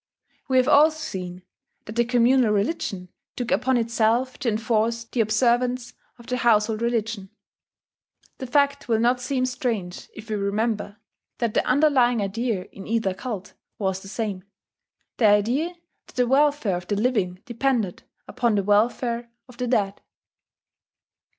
We have also seen that the communal religion took upon itself to enforce the observance of the household religion. The fact will not seem strange if we remember that the underlying idea in either cult was the same, the idea that the welfare of the living depended upon the welfare of the dead.